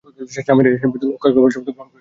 স্বামীর এই আশীর্বাদ অক্ষয়কবচের মতো গ্রহণ করিল।